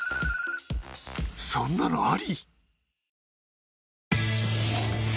そんなのあり！？